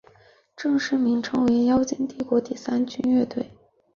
正式名称为妖精帝国第三军乐队。